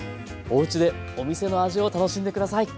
おうちでお店の味を楽しんで下さい！